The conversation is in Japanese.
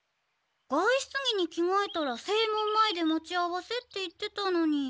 外出着に着がえたら正門前で待ち合わせって言ってたのに。